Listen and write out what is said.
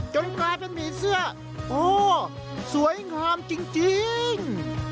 กลายเป็นหมี่เสื้อโอ้สวยงามจริง